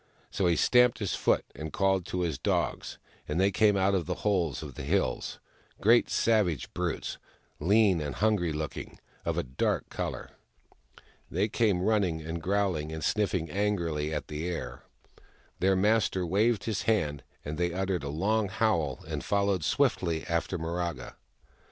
So he stamped his foot and called to his dogs, and they came out of the holes of the hills — great savage brutes, lean and hungry looking, of a dark colour. They came, running and growling, and sniffing angrily at the air. Their master waved his hand, and they uttered a long howl and followed swiftly after Miraga.